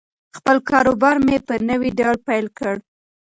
خپل کاروبار مې په نوي ډول پیل کړ.